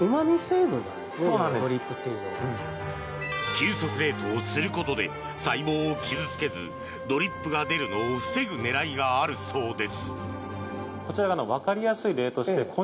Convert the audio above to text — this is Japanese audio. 急速冷凍することで細胞を傷付けずドリップが出るのを防ぐ狙いがあるそうです。